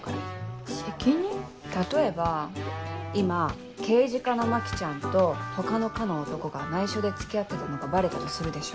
例えば今刑事課の牧ちゃんと他の課の男が内緒で付き合ってたのがバレたとするでしょ。